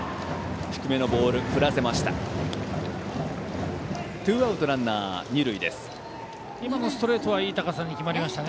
低めのボールを振らせました。